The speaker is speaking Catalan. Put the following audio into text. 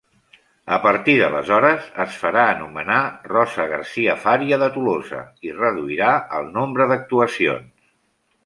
A partir d’aleshores es farà anomenar Rosa Garcia-Faria de Tolosa i reduirà el nombre d’actuacions.